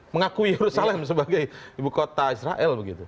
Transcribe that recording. mengakui yerusalem sebagai ibu kota israel begitu